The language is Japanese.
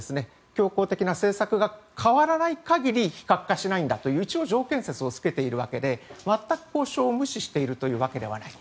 強硬的な政策が変わらない限り非核化しないんだという一応、条件節をつけているわけで全く交渉を無視しているというわけではない。